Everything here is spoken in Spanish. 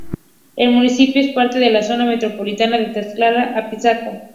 El municipio es parte de la Zona Metropolitana de Tlaxcala-Apizaco.